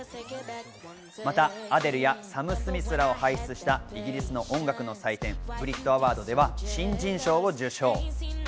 またアデルやサム・スミスらを輩出したイギリスの音楽の祭典・ブリットアワードでは新人賞を受賞。